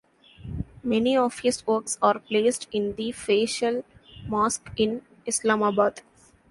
Many of his works are placed in the Faisal Mosque in Islamabad.